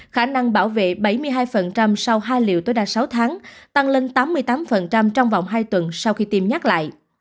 khả năng bảo vệ bảy mươi hai sau hai liệu tối đa sáu tháng tăng lên tám mươi tám trong vòng hai tuần sau khi tiêm nhắc lại